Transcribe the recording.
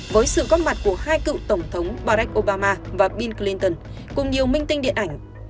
với sự góp mặt của hai cựu tổng thống barack obama và bill clinton cùng nhiều minh tinh điện ảnh